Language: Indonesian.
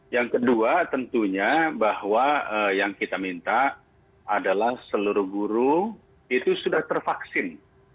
yang kedua tentunya bahwa yang kita minta adalah seluruh guru itu sudah tervaksin